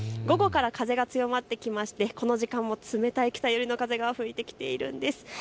午後から風が強まってきましてこの時間も冷たい北寄りの風が吹いてきているんです。